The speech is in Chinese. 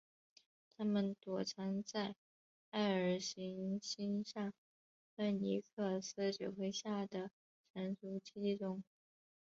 他们躲藏在艾尔行星上芬尼克斯指挥下的神族基地中。